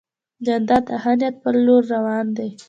جانداد د ښه نیت په لور روان دی.